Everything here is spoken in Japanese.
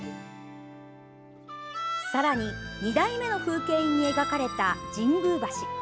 さらに、２代目の風景印に描かれた神宮橋。